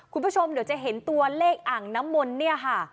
คุณผู้ชมเดี๋ยวจะเห็นตัวเลขอ่างน้ำมนต์เนี่ยค่ะ